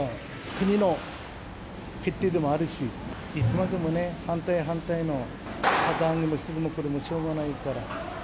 国の決定でもあるし、いつまでも反対反対の旗揚げをしてもこれはもうしょうがないから。